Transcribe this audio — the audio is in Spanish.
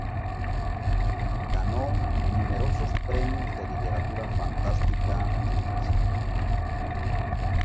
Ganó numerosos premios de literatura fantástica en Rusia.